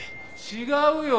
違うよ。